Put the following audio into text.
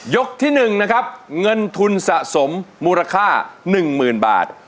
ยกที่หนึ่งนะครับเงินทุนสะสมมูลค่าหนึ่งหมื่นบาท